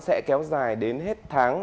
sẽ kéo dài đến hết tháng